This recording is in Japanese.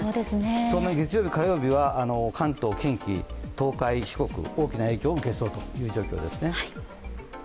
当面、月曜、火曜日は関東、近畿東海、四国、大きな影響を受けそうという状況ですね。